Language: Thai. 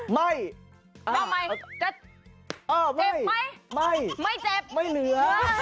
ไม่ไม่เจ็บไม่เหลือ